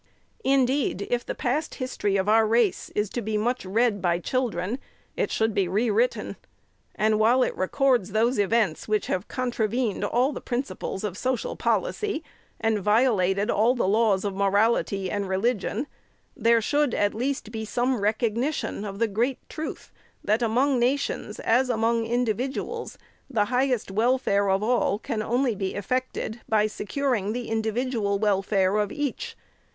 Indeed, if the past history of our race is to be much read by children, it should be rewritten ; and, while it records those events, which have contravened all the principles of social policy, and violated all the laws of morality and religion, there should, at least, be some recognition of the great truth, that, among nations, as among indi viduals, the highest welfare of all can only be effected by securing the in dividual welfare of each.